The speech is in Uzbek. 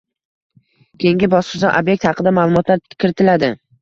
keyingi bosqichda ob’ekt haqida ma’lumotlar kiritiladi